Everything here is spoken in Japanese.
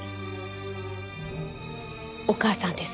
お母さんです。